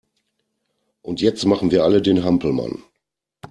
Und jetzt machen wir alle den Hampelmann!